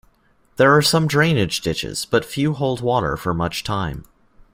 There are some drainage ditches, but few hold water for much time.